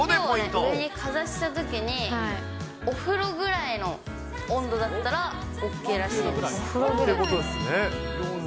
手を上にかざしたときに、お風呂ぐらいの温度だったらＯＫらしいです。